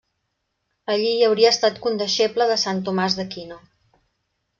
Allí, hauria estat condeixeble de Sant Tomàs d'Aquino.